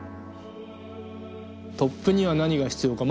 トップには何が必要か。